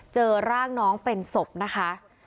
เจอร่างน้องเป็นศพนะคะ